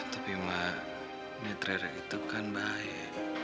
tapi mak ini terhadap itu kan bahaya